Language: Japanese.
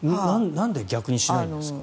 なんで逆にしないんですか？